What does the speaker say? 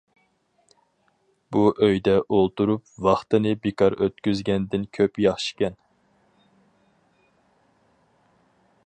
بۇ ئۆيدە ئولتۇرۇپ ۋاقىتنى بىكار ئۆتكۈزگەندىن كۆپ ياخشىكەن.